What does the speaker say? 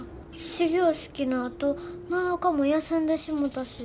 始業式のあと７日も休んでしもたし。